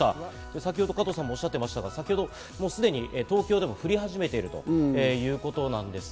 先ほど加藤さんもおっしゃってましたが、すでに東京でも降り始めているということなんですね。